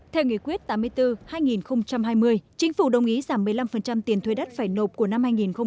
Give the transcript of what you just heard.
theo nghị quyết tám mươi bốn hai nghìn hai mươi chính phủ đồng ý giảm một mươi năm tiền thuê đất phải nộp của năm hai nghìn hai mươi